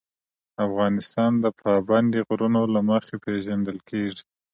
افغانستان د پابندی غرونه له مخې پېژندل کېږي.